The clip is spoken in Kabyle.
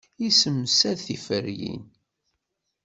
Tessemsad tiferyin.